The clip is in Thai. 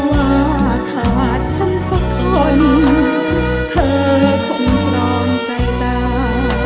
ว่าขาดฉันสักคนเธอคงพร้อมใจตา